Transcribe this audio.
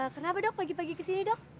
kenapa dok pagi pagi ke sini dok